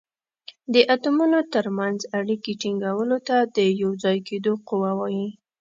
د اتومونو تر منځ اړیکې ټینګولو ته د یو ځای کیدو قوه وايي.